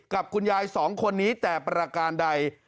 กับคุณยายสองคนนี้แต่ประการใด